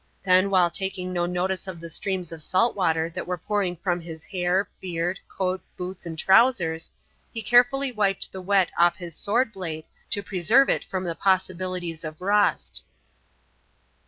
Then, while taking no notice of the streams of salt water that were pouring from his hair, beard, coat, boots, and trousers, he carefully wiped the wet off his sword blade to preserve it from the possibilities of rust.